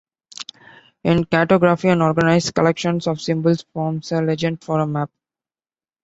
In cartography, an organized collection of symbols forms a legend for a map.